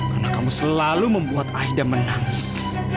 karena kamu selalu membuat aida menangis